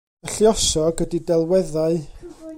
Y lluosog ydy delweddau.